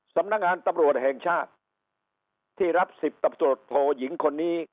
สำนักงานตำรวจแห่งชาติที่รับ๑๐ตำรวจโทยิงคนนี้